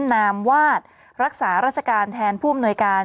นามวาดรักษาราชการแทนผู้อำนวยการ